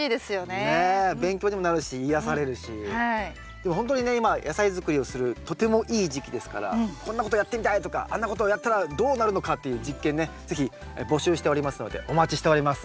でもほんとにね今野菜作りをするとてもいい時期ですからこんなことやってみたいとかあんなことをやったらどうなるのかっていう実験ね是非募集しておりますのでお待ちしております。